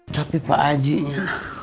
tapi pak ajiknya